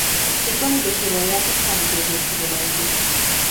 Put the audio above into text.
Sokan ide sorolják a számítógép-tudományt is.